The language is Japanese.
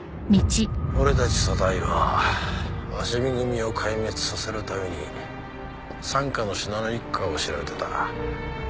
俺たち組対は鷲見組を壊滅させるために傘下の信濃一家を調べてた。